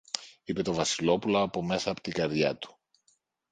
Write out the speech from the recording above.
είπε το Βασιλόπουλο από μέσα από την καρδιά του.